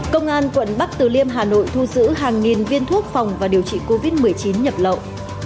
công an quận bắc từ liêm hà nội thu giữ hàng nghìn viên thuốc phòng và điều trị covid một mươi chín nhập lậu